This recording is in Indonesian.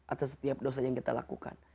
atas setiap dosa yang kita lakukan